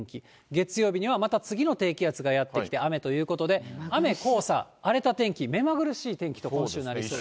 月曜日には、また次の低気圧がやって来て、雨ということで、雨、黄砂、荒れた天気、目まぐるしい天気と今週なりそうです。